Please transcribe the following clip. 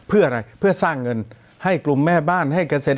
เพื่ออะไรเพื่อสร้างเงินให้กลุ่มแม่บ้านให้เกษตร